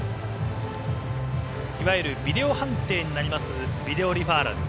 いわゆるビデオ判定となりますビデオリファーラル。